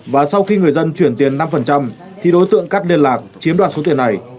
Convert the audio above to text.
và sau khi người dân chuyển tiền năm thì đối tượng cắt liên lạc chiếm đoạt số tiền này